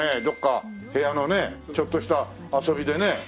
どこか部屋のねちょっとした遊びでね。